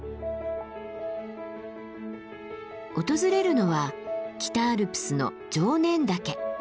訪れるのは北アルプスの常念岳。